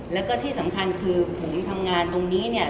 แล้วก็ที่สำคัญคือผมทำงานตรงนี้เนี่ย